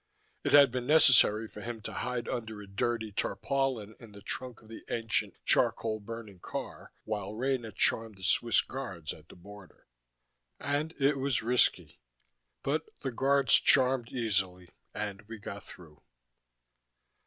It had been necessary for him to hide under a dirty tarpaulin in the trunk of the ancient charcoal burning car, while Rena charmed the Swiss Guards at the border. And it was risky. But the Guards charmed easily, and we got through.